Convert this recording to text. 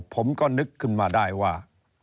ผมก็นึกขึ้นมาได้ว่า